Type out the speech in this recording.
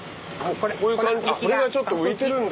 これがちょっと浮いてるんだ。